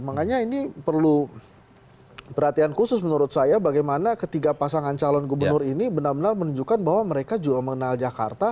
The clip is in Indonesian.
makanya ini perlu perhatian khusus menurut saya bagaimana ketiga pasangan calon gubernur ini benar benar menunjukkan bahwa mereka juga mengenal jakarta